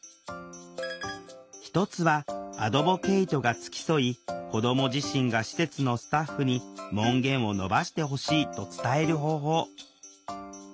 一つはアドボケイトが付き添い子ども自身が施設のスタッフに「門限を延ばしてほしい」と伝える方法。